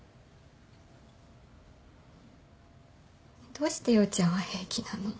どうして陽ちゃんは平気なの？